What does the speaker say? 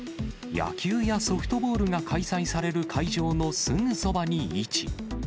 野球やソフトボールが開催される会場のすぐそばに位置。